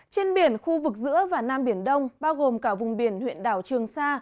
trên biển khu vực giữa và nam biển đông bao gồm cả vùng biển huyện đảo trường sa